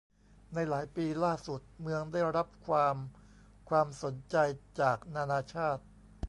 ในหลายปีล่าสุด เมืองได้รับความความสนใจจากนานาชาติ